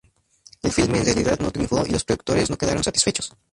El filme en realidad no triunfó y los productores no quedaron satisfechos.